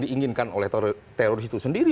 diinginkan oleh teroris itu sendiri